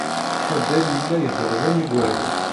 Faḍil yella yexdem am yigerdan.